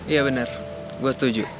iya bener gue setuju